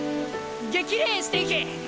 激励していけ！